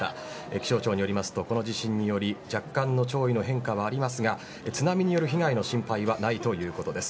気象庁によりますとこの地震により若干の潮位の変化はありますが津波による被害の心配はないということです。